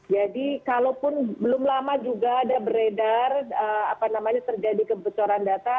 jadi kalaupun belum lama juga ada beredar apa namanya terjadi kebocoran data